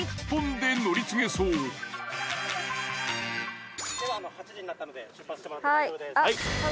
では８時になったので出発してもらっても大丈夫です。